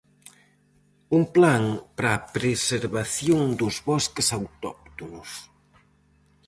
Un plan para a preservación dos bosques autóctonos.